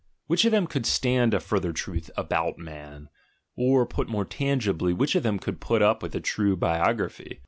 Which of them could stand a further truth "about man"? or, put more tangibly, which <>f them could put up with a true biography?